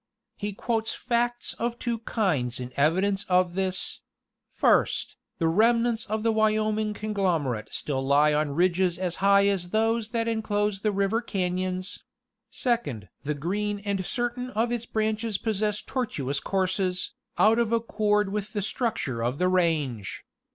He quotes facts of two kinds in evidence of this ; first, the remnants of the Wyoming conglomerate still lie on ridges as high as those that enclose the river cafions ; second, the Green and certain of its branches possess tortuous courses, out of accord with the structure of the range.